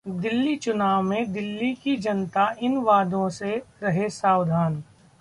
दिल्ली चुनाव में दिल्ली की जनता इन वादों से रहें सावधान